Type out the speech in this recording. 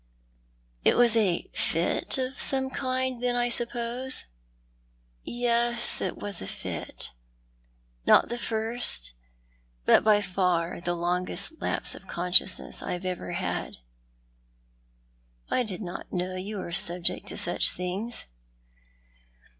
" It was a fit of some kind, then, I suppose? "" Yes, it was a fit — not the first, but by far the longest lapse of consciousness I have ever had," " I did not know you were subject to such things."